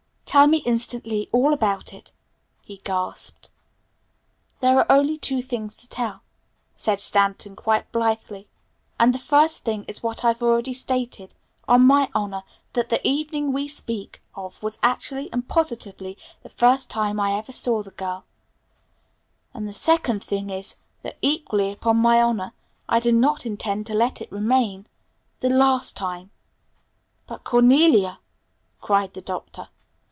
"Tell me instantly all about it," he gasped. "There are only two things to tell," said Stanton quite blithely. "And the first thing is what I've already stated, on my honor, that the evening we speak of was actually and positively the first time I ever saw the girl; and the second thing is, that equally upon my honor, I do not intend to let it remain the last time!" "But Cornelia?" cried the Doctor.